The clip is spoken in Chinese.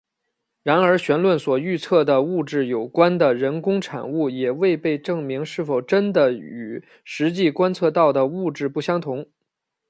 然而弦论所预测的物质有关的人工产物也未被证明是否真的与实际观测到的物质不相同。